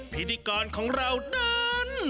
พิธีกรของเรานั้น